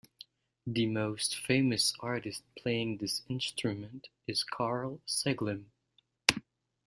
The most famous artist playing this instrument is Karl Seglem.